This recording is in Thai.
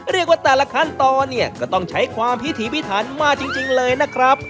เรียกว่าแต่ละขั้นตอนเนี่ยก็ต้องใช้ความพิถีพิถันมาจริงเลยนะครับ